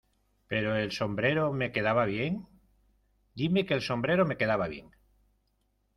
¿ Pero el sombrero me quedaba bien? Dime que el sombrero me quedaba bien.